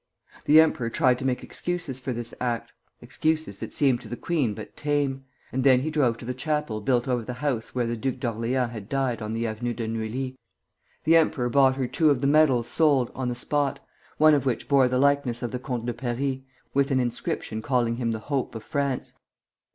The emperor tried to make excuses for this act, excuses that seemed to the queen but tame, and then he drove to the chapel built over the house where the Duke of Orleans had died on the Avenue de Neuilly. The emperor bought her two of the medals sold on the spot, one of which bore the likeness of the Comte de Paris, with an inscription calling him the hope of France.